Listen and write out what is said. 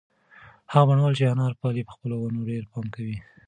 هغه بڼوال چې انار پالي په خپلو ونو ډېر پام کوي.